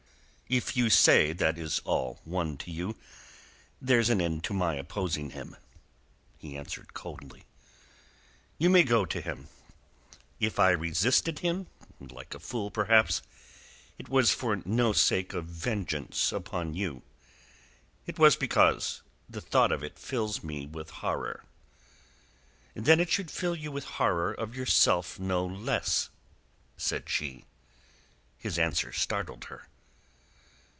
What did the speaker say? "If you say that it is all one to you there's an end to my opposing him," he answered coldly. "You may go to him. If I resisted him—like a fool, perhaps—it was for no sake of vengeance upon you. It was because the thought of it fills me with horror." "Then it should fill you with horror of yourself no less," said she. His answer startled her.